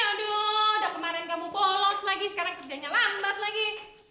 aduh udah kemarin kamu polos lagi sekarang kerjanya lambat lagi